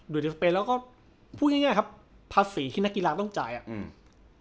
อยู่ในสเปนแล้วก็พูดง่ายง่ายครับภาษีที่นักกีฬาต้องจ่ายอ่ะอืม